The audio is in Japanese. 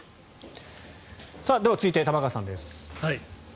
では続いて玉川さんです。